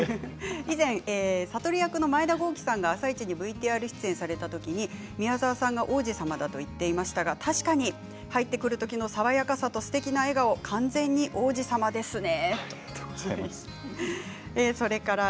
以前、智役の前田公輝さんがＶＴＲで出演した時に宮沢さんが王子様だと言っていましたが確かに入ってくる時の爽やかさすてきな笑顔、完全に王子様ですね。